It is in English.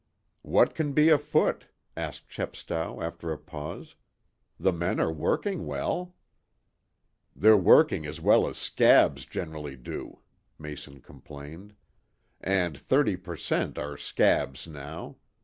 "What can be afoot?" asked Chepstow, after a pause. "The men are working well." "They're working as well as 'scabs' generally do," Mason complained. "And thirty per cent, are 'scabs,' now.